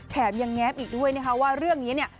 แถมยังแงบอีกด้วยว่าเรื่องนี้